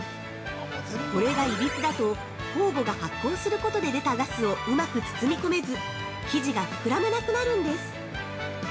これがいびつだと、酵母が発酵することで出たガスをうまく包み込めず、生地が膨らまなくなるんです。